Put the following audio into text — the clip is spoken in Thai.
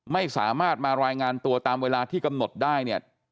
ไม่สามารถมารายงานตัวตามเวลาที่กำหนดได้เนี่ย